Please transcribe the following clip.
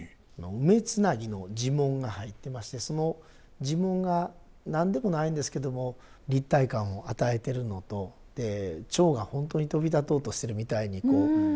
梅繋の地紋が入ってましてその地紋が何でもないんですけども立体感を与えてるのと蝶が本当に飛び立とうとしてるみたいにこう見える。